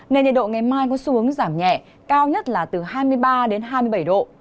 nên nhiệt độ ngày mai có xu hướng giảm nhẹ cao nhất là từ hai mươi ba đến hai mươi bảy độ